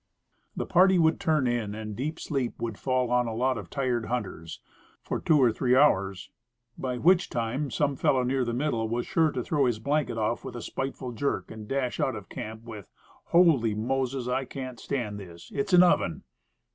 The party would turn in, and deep sleep would fall on a lot of tired hunters for two or three hours. By which time some fellow near the middle was sure to throw his blanket off with a spiteful jerk, and dash out of camp with, "Holy Moses! I can't stand this; it's an oven."